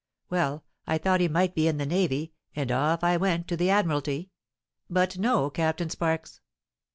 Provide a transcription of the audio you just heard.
Well—I thought he might be in the Navy, and off I went to the Admiralty; but no Captain Sparks!